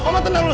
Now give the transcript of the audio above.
mama tenang dulu